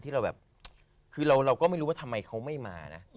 เราก็ไม่รู้ทำไมเขาไม่มานะ